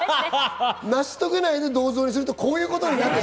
成し遂げないで銅像にするとこういうことになる。